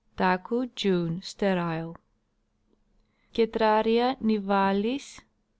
Taku, June. Sterile. Cetraria nivalis, (L.)